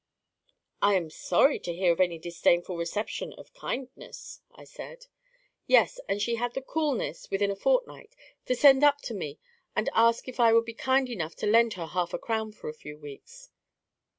"I am sorry to hear of any disdainful reception of kindness," I said. "Yes, and she had the coolness, within a fortnight, to send up to me and ask if I would be kind enough to lend her half a crown for a few weeks."